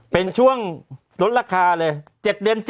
เป็นช่วงลดราคาเลย๗เดือน๗